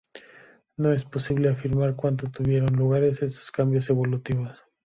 No es posible afirmar cuándo tuvieron lugar estos cambios evolutivos.